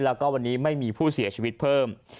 แล้วก็วันนี้ไม่มีผู้เสียชีวิตเพิ่ม